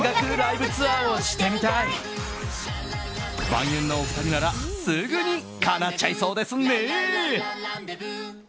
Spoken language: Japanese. ヴァンゆんのお二人ならすぐにかなっちゃいそうですね。